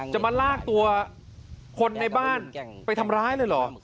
จะมาลากตัวคนในบ้านไปทำร้ายเลยเหรอ